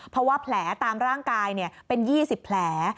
เพราะว่าแผลตามร่างกายเป็น๒๐แผล